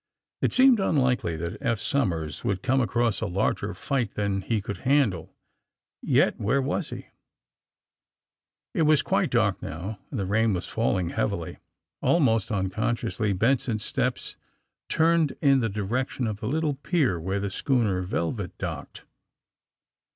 It seemed unlikely that Eph Somers would come across a larger fight than he could handle — yet where was hef It was quite dark now, and the rain was fall ing heavily. Almost unconsciously Benson's steps turned in the direction of the little pier where the schooner ^* Velvet" docked.